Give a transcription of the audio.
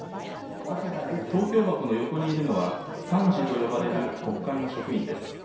投票箱の横にいるのは、参事と呼ばれる国会の職員です。